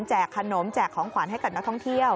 ขนมแจกของขวัญให้กับนักท่องเที่ยว